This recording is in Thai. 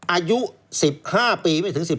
อายุ๑๕ปีไม่ถึง๑๕